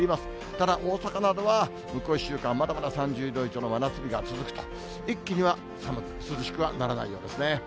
ただ、大阪などは向こう１週間、まだまだ３０度以上の真夏日が続くと、一気には涼しくはならないようですね。